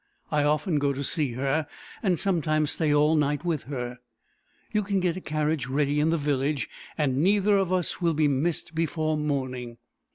I often go to see her, and sometimes stay all night with her. You can get a carriage ready in the village, and neither of us will be missed before morning."